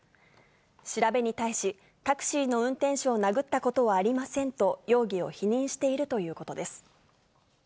調べに対し、タクシーの運転手を殴ったことはありませんと、容疑を否認しているということです。